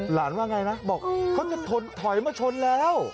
ว่าไงนะบอกเขาจะถอยมาชนแล้ว